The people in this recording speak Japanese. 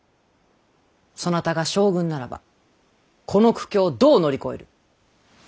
そなたが将軍ならばこの苦境どう乗り越える。